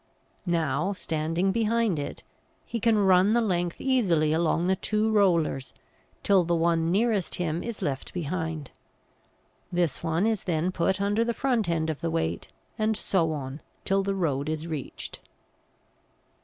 Now, standing behind it, he can run the length easily along on the two rollers, till the one nearest him is left behind; this one is then put under the front end of the weight, and so on till the road is reached.